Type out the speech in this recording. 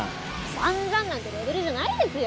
散々なんてレベルじゃないですよ。